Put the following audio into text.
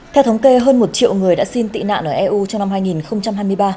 theo thống kê hơn một triệu người đã xin tị nạn ở eu trong năm hai nghìn hai mươi ba